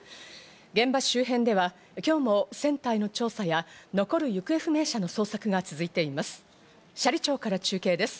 現場周辺では今日も船体の調査や残る行方不明者の捜索が続いています。